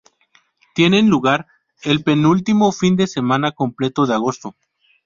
Tienen lugar el penúltimo fin de semana completo de agosto.